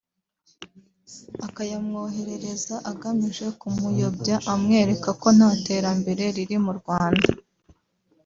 akayamwoherereza agamije kumuyobya amwereka ko nta terambere riri mu Rwanda